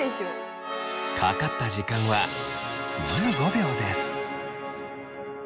かかった時間は１５秒です。